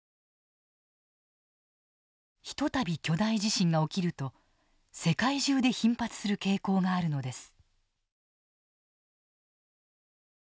一たび巨大地震が起きると世界中で頻発する傾向があるのです。